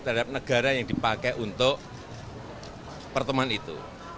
terhadap negara yang dipakai untuk pertemuan itu